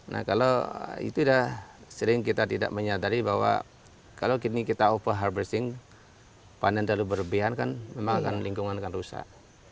nah kalau itu sudah sering kita tidak menyadari bahwa kalau kini kita over harbrising panen terlalu berlebihan kan memang akan lingkungan akan rusak